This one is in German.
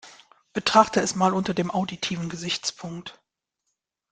Betrachte es mal unter dem auditiven Gesichtspunkt.